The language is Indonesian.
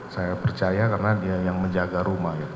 saya percaya karena dia yang menjaga rumah